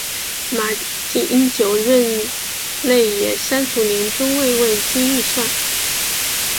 马英九任内也删除年终慰问金预算。